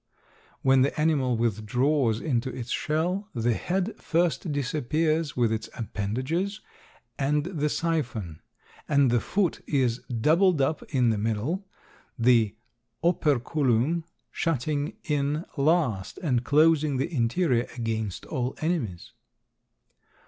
When the animal withdraws into its shell the head first disappears with its appendages and the siphon, and the foot is doubled up in the middle, the operculum shutting in last and closing the interior against all enemies.